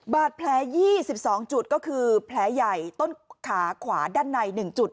บาดแผลยี่สิบสองจุดก็คือแผลใหญ่ต้นขาขวาด้านในหนึ่งจุด